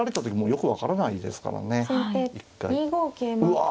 うわ。